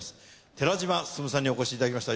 寺島進さんにお越しいただきました。